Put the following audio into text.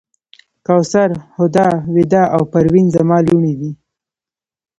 کوثر، هُدا، ویدا او پروین زما لوڼې دي.